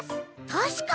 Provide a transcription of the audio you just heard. たしかに！